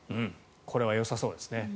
これはよさそうですね。